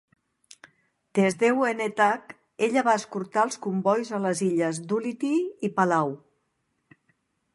Des d'Enewetak, ella va escortar els combois a les illes d'Ulithi i Palau.